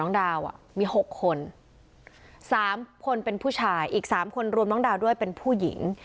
น้องดาวอ่ะมีหกคนสามคนเป็นผู้ชายอีกสามคนรวมน้องดาวด้วยเป็นผู้หญิง